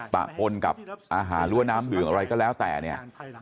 ปะปนกับอาหารหรือว่าน้ำดื่มอะไรก็แล้วแต่เนี่ย